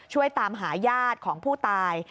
ช่วยตามหาญาติของผู้ตาย